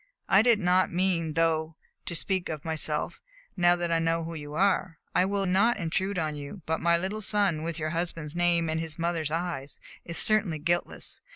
I did not mean, though, to speak of myself, now that I know who you are. I will not intrude on you; but my little son, with your husband's name and his mother's eyes, is certainly guiltless.